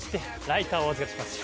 ライターをお預かりします。